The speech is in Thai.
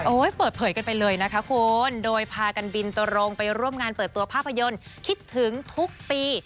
เปิดเผยกันไปเลยนะคะคุณโดยพากันบินตรงไปร่วมงานเปิดตัวภาพยนตร์คิดถึงทุกปี